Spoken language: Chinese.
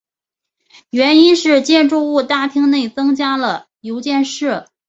原因是建筑物大厅内增加了邮件室。